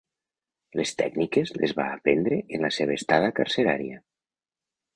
Les tècniques les va aprendre en la seva estada carcerària.